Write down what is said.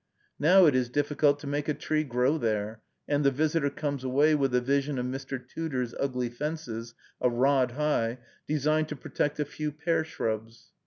Now it is difficult to make a tree grow there, and the visitor comes away with a vision of Mr. Tudor's ugly fences, a rod high, designed to protect a few pear shrubs.